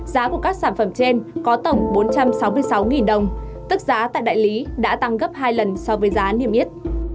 giá của các sản phẩm trên có tổng bốn trăm sáu mươi sáu đồng tức giá tại đại lý đã tăng gấp hai lần so với giá niêm yết